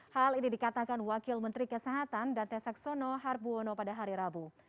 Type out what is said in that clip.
hal ini dikatakan wakil menteri kesehatan dante saxono harbono pada hari rabu